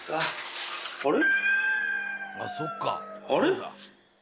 あれ？